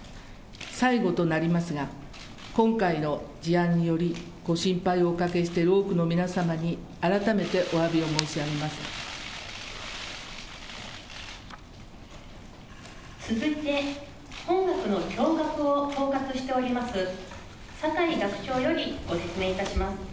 最後となりますが、今回の事案によりご心配をおかけしている多くの皆さんに改めてお続いて、本学のを統括しております、酒井学長よりご説明いたします。